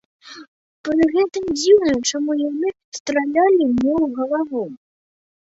Пры гэтым дзіўна, чаму яны стралялі не ў галаву?